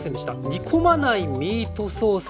煮込まないミートソース